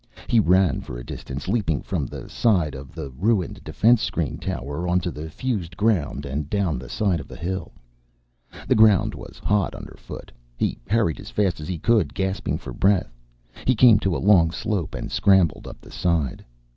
He ran for a distance, leaping from the side of a ruined defense screen tower, onto the fused ground and down the side of a hill. The ground was hot underfoot. He hurried as fast as he could, gasping for breath. He came to a long slope and scrambled up the side.